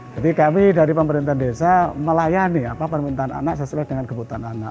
jadi kami dari pemerintahan desa melayani apa permintaan anak sesuai dengan kebutuhan anak